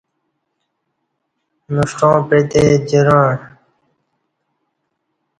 نݜٹاں پعتے جراݩع